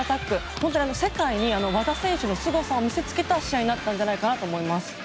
本当に世界に和田選手のすごさを見せつけた試合になったんじゃないかなと思います。